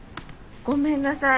ごめんなさい。